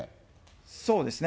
そうですね。